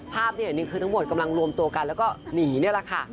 ภาพที่เห็นนี่คือทั้งหมดกำลังรวมตัวกันแล้วก็หนีนี่แหละค่ะ